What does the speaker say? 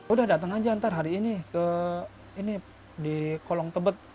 udah datang aja ntar hari ini ke ini di kolong tebet